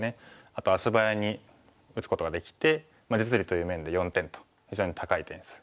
あと足早に打つことができて実利という面で４点と非常に高い点数。